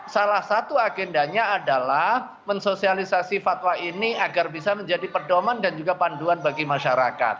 salah satu agendanya adalah mensosialisasi fatwa ini agar bisa menjadi pedoman dan juga panduan bagi masyarakat